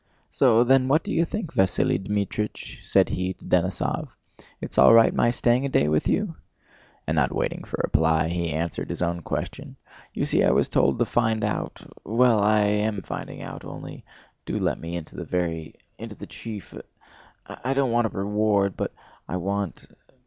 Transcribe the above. "So then what do you think, Vasíli Dmítrich?" said he to Denísov. "It's all right my staying a day with you?" And not waiting for a reply he answered his own question: "You see I was told to find out—well, I am finding out.... Only do let me into the very... into the chief... I don't want a reward.... But I want..."